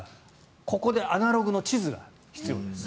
ここでアナログの地図が必要です。